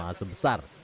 dengan tonal sebesar